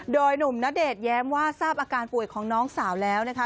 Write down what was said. โดยหนุ่มณเดชน์แย้มว่าทราบอาการป่วยของน้องสาวแล้วนะคะ